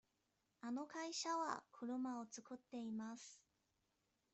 あの会社は車を作っています。